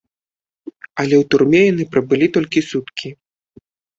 Але ў турме яны прабылі толькі суткі.